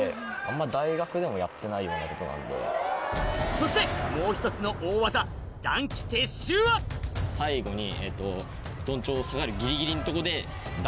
そしてもう一つの大技えっ！